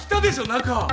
中。